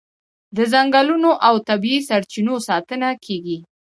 د ځنګلونو او طبیعي سرچینو ساتنه کیږي.